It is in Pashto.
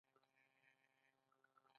ترسره شوي فعالیتونه تر غور لاندې نیسي.